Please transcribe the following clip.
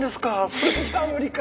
それじゃあ無理か。